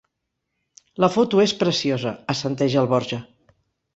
La foto és preciosa —assenteix el Borja.